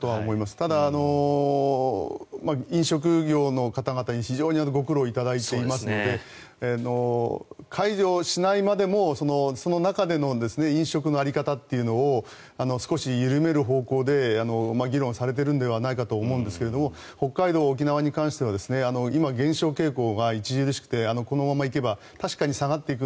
ただ、飲食業の方々に非常にご苦労していただいているので解除しないまでも、その中での飲食の在り方というのを少し緩める方向で議論されているのではないかと思いますが北海道、沖縄に関しては今、減少傾向が著しくて、このまま行けば確かに下がっていく。